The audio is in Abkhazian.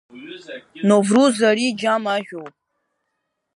Новруз ари џьам ажәоуп.